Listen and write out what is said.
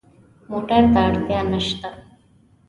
موټر ته اړتیا نه شته.